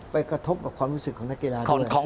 กระทบกับความรู้สึกของนักกีฬาเขาเลย